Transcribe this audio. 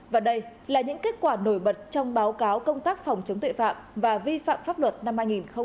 và đây là những kết quả nổi bật trong báo cáo công tác phòng chống tuệ phạm và vi phạm pháp luật năm hai nghìn hai mươi hai